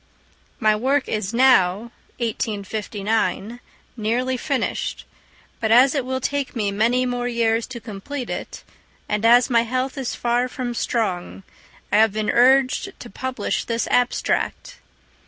My work is now (1859) nearly finished; but as it will take me many more years to complete it, and as my health is far from strong, I have been urged to publish this abstract.